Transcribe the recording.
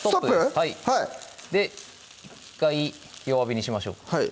はい１回弱火にしましょうはい